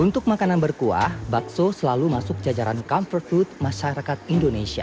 untuk makanan berkuah bakso selalu masuk jajaran comfort food masyarakat indonesia